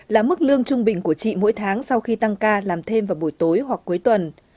là mức lương trung bình của chị mỗi tháng sau khi tăng ca làm thêm vào buổi tối hoặc cuối tuần